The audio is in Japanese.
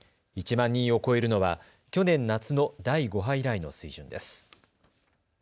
１万人を超えるのは去年夏の第５波以来の水準です。